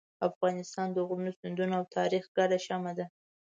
افغانستان د غرونو، سیندونو او تاریخ ګډه شمع ده.